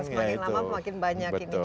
semakin lama semakin banyak ini